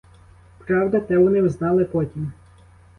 Правда, те вони взнали потім.